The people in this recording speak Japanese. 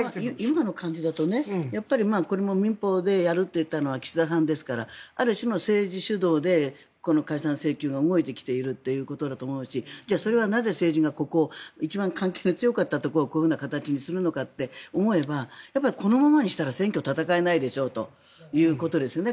今の感じだとこれも民法でやると言ったのは岸田さんですからある種の政治主導で解散請求が動いてきているということだと思うしじゃあそれはなぜ政治がここ、一番関係が強かったところがこういうふうにするのかと思えばやはりこのままにしたら選挙を戦えないでしょうということですよね。